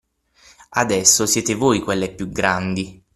Adesso siete voi quelle più grandi.